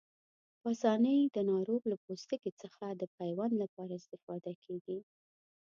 په آسانۍ د ناروغ له پوستکي څخه د پیوند لپاره استفاده کېږي.